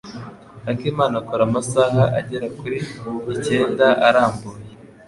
Akimana akora amasaha agera kuri icyenda arambuye.